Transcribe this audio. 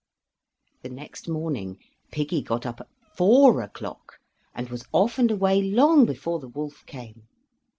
The next morning piggy got up at four o'clock and was off and away long before the wolf came.